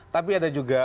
tapi ada juga